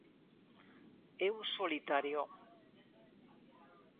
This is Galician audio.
É un solitario.